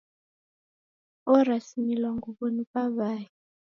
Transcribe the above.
Orasimilwa nguwo ni wawae